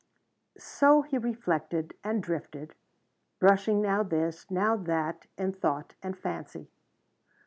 So he reflected and drifted, brushing now this, now that, in thought and fancy.